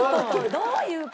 どういう事？